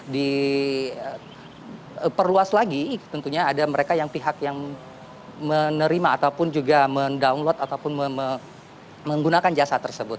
diperluas lagi tentunya ada mereka yang pihak yang menerima ataupun juga mendownload ataupun menggunakan jasa tersebut